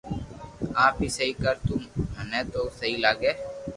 آپ ھي سھي ڪر تو مني تو سھي لاگي